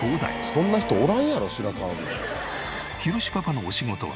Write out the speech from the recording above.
そんな人おらんやろ白川郷に。